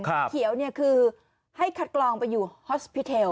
เขียวเนี่ยคือให้คัดกรองไปอยู่ฮอสพิเทล